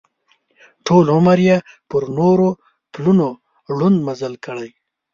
ټول عمر یې پر نورو پلونو ړوند مزل کړی.